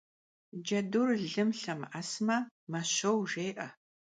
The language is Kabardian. Джэдур лым лъэмыӀэсмэ «мэ щоу» жеӀэ.